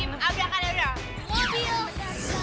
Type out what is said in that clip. ini udah tinggak